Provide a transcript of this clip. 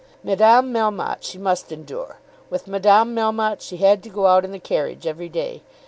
Madame Melmotte she must endure. With Madame Melmotte she had to go out in the carriage every day.